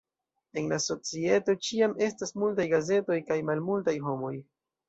En la societo ĉiam estas multaj gazetoj kaj malmultaj homoj.